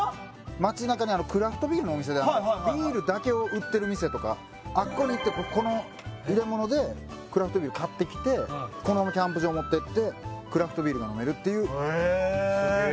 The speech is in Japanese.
街なかにクラフトビールのお店でビールだけを売ってる店とかあっこに行ってこの入れ物でクラフトビール買ってきてこのままキャンプ場持ってってクラフトビールが飲めるっていうへえすげえ